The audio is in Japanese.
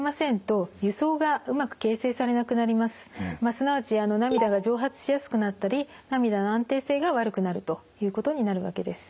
すなわち涙が蒸発しやすくなったり涙の安定性が悪くなるということになるわけです。